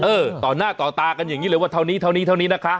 ต่อหน้าต่อตากันอย่างนี้เลยว่าเท่านี้เท่านี้เท่านี้นะคะ